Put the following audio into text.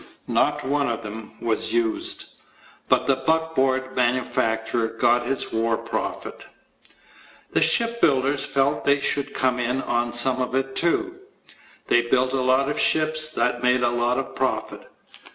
Not one of them was used. But the buckboard manufacturer got his war profit. The shipbuilders felt they should come in on some of it, too. They built a lot of ships that made a lot of profit.